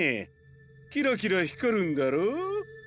キラキラひかるんだろう。